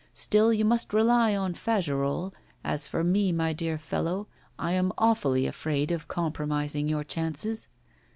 Still, you must rely on Fagerolles; as for me, my dear fellow, I am awfully afraid of compromising your chances.